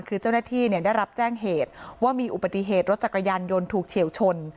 คือเจ้าหน้าที่ได้รับแจ้งเหตุว่ามีอุบัติเหตุรถจักรยานยนต์ถูกเฉียวชน